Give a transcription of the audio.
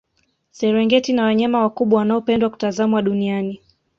serengeti ina wanyama wakubwa wanaopendwa kutazamwa duniani